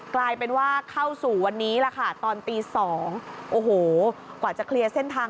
กลายเป็นว่าเข้าสู่วันนี้ละคะ